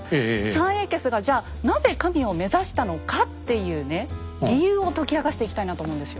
三英傑がじゃなぜ神を目指したのかっていうね理由を解き明かしていきたいなと思うんですよ。